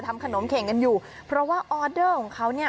ทำขนมเข่งกันอยู่เพราะว่าออเดอร์ของเขาเนี่ย